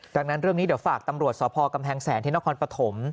ดังนั้นเรื่องนี้เดี๋ยวฝากตำรวจสพกำแพงแสนที่นครปฐม